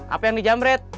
apa yang di jam red